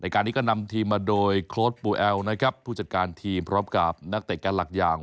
การนี้ก็นำทีมมาโดยโค้ดปูแอลนะครับผู้จัดการทีมพร้อมกับนักเตะกันหลักอย่าง